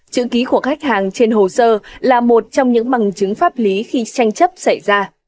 chữ ký của khách hàng trên hồ sơ là một trong những bằng chứng pháp lý khi tranh chấp xảy ra